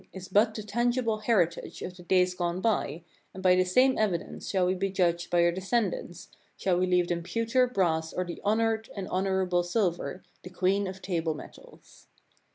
] but the tangible heritage of the days gone by, and by the same evidence shall we be judged by our de scendants, shall we leave them pewter, brass, or the honored and honorable silver, the queen of table metals.